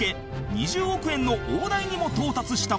２０億円の大台にも到達した